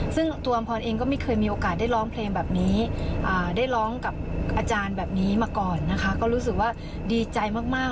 ซึ่งตัวอำพรเองก็ไม่เคยมีโอกาสได้ร้องเพลงแบบนี้ได้ร้องกับอาจารย์แบบนี้มาก่อนนะคะก็รู้สึกว่าดีใจมาก